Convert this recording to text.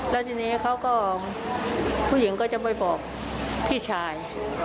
แล้วทีนี้เขาก็ผู้หญิงก็จะไปบอกพี่ชาย